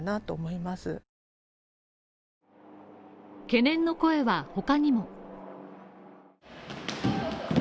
懸念の声は他にも。